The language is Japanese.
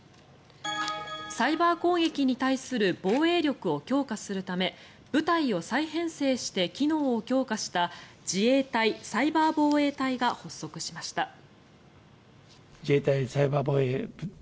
サイバー攻撃に対する防衛力を強化するため部隊を再編成して機能を強化した自衛隊サイバー防衛隊が発足しました。